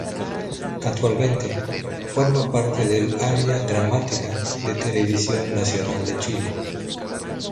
Actualmente, forma parte del área dramática de Televisión Nacional de Chile.